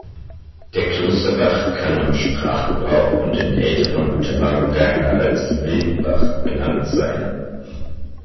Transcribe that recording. Der Klosterbach kann im Sprachgebrauch und in älteren Unterlagen daher als "Wildbach" benannt sein.